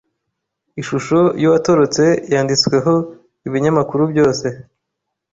Ishusho yuwatorotse yanditsweho ibinyamakuru byose.